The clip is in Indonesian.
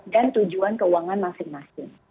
dan tujuan keuangan masing masing